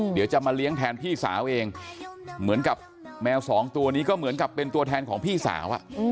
เดี๋ยวจะมาเลี้ยงแทนพี่สาวเองเหมือนกับแมวสองตัวนี้ก็เหมือนกับเป็นตัวแทนของพี่สาว